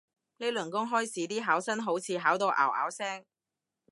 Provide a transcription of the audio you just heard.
呢輪公開試啲考生好似考到拗拗聲